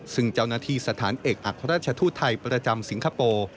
ซึ่งเจ้าหน้าที่สถานเอกอัครราชทูตไทยประจำสิงคโปร์